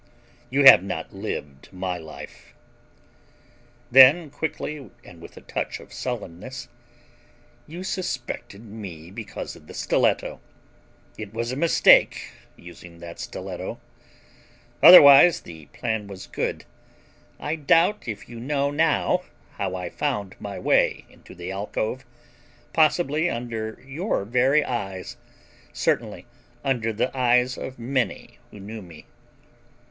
You have not lived my life." Then quickly and with a touch of sullenness: "You suspected me because of the stiletto. It was a mistake, using that stiletto. Otherwise, the plan was good. I doubt if you know now how I found my way into the alcove, possibly under your very eyes; certainly, under the eyes of many who knew me."